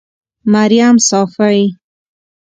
مريم صافۍ